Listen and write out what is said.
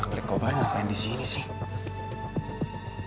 anak anak gue kok bareng bareng disini sih